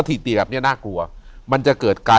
อยู่ที่แม่ศรีวิรัยิลครับ